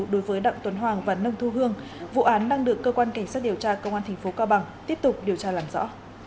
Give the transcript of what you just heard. đối với đặng tuấn hoàng và nông thu hương vụ án đang được cơ quan cảnh sát điều tra công an tp cao bằng tiếp tục điều tra làm rõ